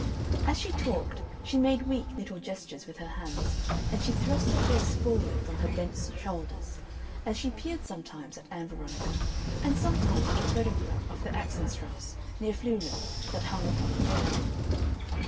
As she talked she made weak little gestures with her hands, and she thrust her face forward from her bent shoulders; and she peered sometimes at Ann Veronica and sometimes at a photograph of the Axenstrasse, near Fluelen, that hung upon the wall.